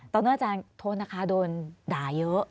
ตอนนี้อาจารย์โทษนะคะโดนด่าเยอะ